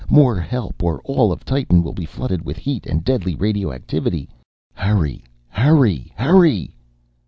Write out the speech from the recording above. More help! Or all of Titan will be flooded with heat and deadly radioactivity! Hurry.... Hurry.... Hurry...."